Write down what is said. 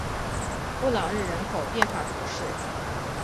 布朗日人口变化图示